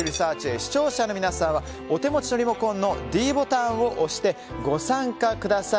視聴者の皆さんはお手持ちのリモコンのｄボタンを押してご参加ください。